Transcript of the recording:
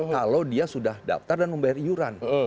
kalau dia sudah daftar dan membayar iuran